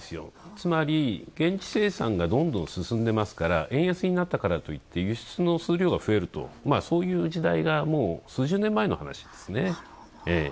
つまり、現地生産がどんどん進んでますから円安になったからといって輸出の数量が増えると、そういう時代が数十年前の話ですね。